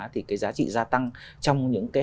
thì cái giá trị gia tăng trong những cái